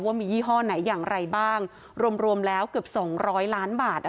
ว่ามียี่ห้อไหนอย่างไรบ้างรวมแล้วเกือบ๒๐๐ล้านบาท